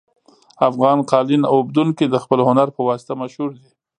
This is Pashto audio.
افغان قالین اوبدونکي د خپل هنر په واسطه مشهور دي